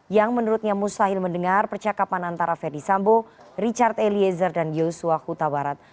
yang menurutnya mustahil mendengar percakapan antara ferdisambo richard eliezer dan yosua kutabarat